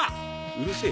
うるせぇ。